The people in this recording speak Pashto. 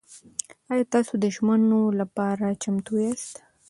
ایا تاسو د ژمنو لپاره چمتو یاست؟